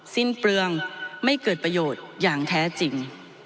สิ้นเปลืองไม่เกิดประโยชน์อย่างแท้จริง